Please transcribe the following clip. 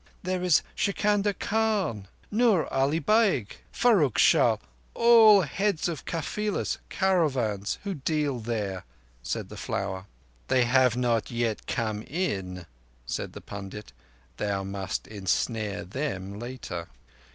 There is Sikandar Khan, Nur Ali Beg, and Farrukh Shah all heads of kafilas [caravans]—who deal there," said the Flower. "They have not yet come in," said the pundit. "Thou must ensnare them later."